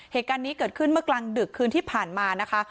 เหตุการณ์นี้เกิดขึ้นเมื่อกลางดึกคืนที่ผ่านมานะคะ